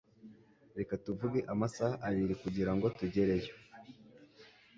Reka tuvuge amasaha abiri kugirango tugereyo,